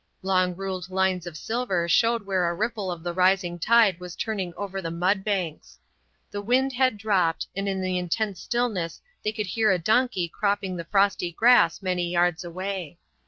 Long ruled lines of silver showed where a ripple of the rising tide was turning over the mud banks. The wind had dropped, and in the intense stillness they could hear a donkey cropping the frosty grass many yards away.